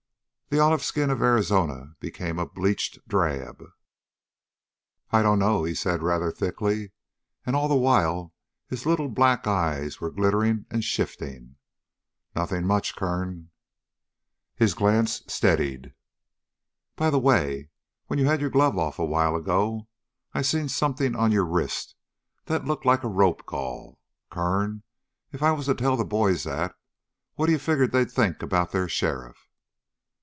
The olive skin of Arizona became a bleached drab. "I dunno," he said rather thickly, and all the while his little black eyes were glittering and shifting. "Nothing much, Kern." His glance steadied. "By the way, when you had your glove off a while ago I seen something on your wrist that looked like a rope gall, Kern. If I was to tell the boys that, what d'you figure they'd think about their sheriff?"